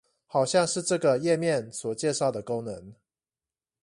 好像是這個頁面所介紹的功能